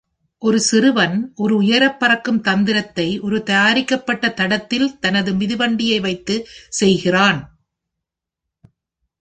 ஒரு சிறுவன் ஒரு உயரபறக்கும் தந்திரத்தை ஒரு தயாரிக்கப்பட்ட தடத்தில் தனது மிதிவண்டியை வைத்து செய்கிறான்.